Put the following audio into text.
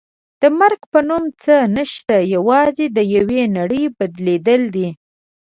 د مرګ په نوم څه نشته یوازې د یوې نړۍ بدلېدل دي.